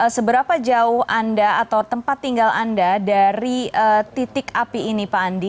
seberapa jauh anda atau tempat tinggal anda dari titik api ini pak andi